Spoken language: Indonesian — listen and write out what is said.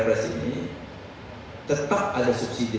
kalau kita menggunakan asuransi sosial